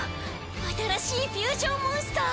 新しいフュージョンモンスター！